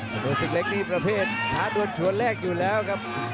กระโดยสิ้งเล็กนี่ประเภทขาโดนชวนแรกอยู่แล้วครับ